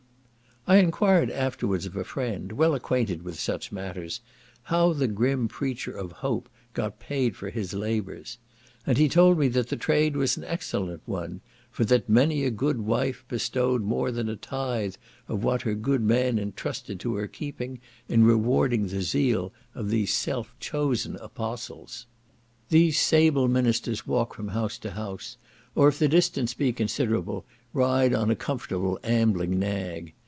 I enquired afterwards of a friend, well acquainted with such matters, how the grim preacher of "Hope" got paid for his labours, and he told me that the trade was an excellent one, for that many a gude wife bestowed more than a tithe of what her gude man trusted to her keeping, in rewarding the zeal of these self chosen apostles. These sable ministers walk from house to house, or if the distance be considerable, ride on a comfortable ambling nag.